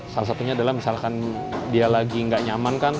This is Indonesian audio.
salah satunya adalah misalkan dia lagi nggak nyaman kan